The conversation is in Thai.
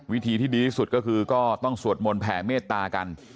วิธีที่ดีที่สุดก็คือก็ต้องสวดมนต์แผ่เมตตากัน